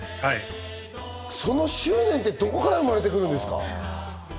その執念ってどこから生まれてくるんですか？